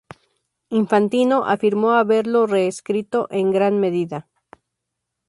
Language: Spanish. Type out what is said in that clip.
Infantino afirmó haberlo reescrito en gran medida.